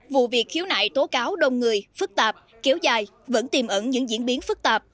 vụ việc khiếu nại tố cáo đông người phức tạp kéo dài vẫn tìm ẩn những diễn biến phức tạp